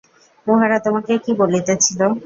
উহারা তোমাকে কী বলিতেছিল?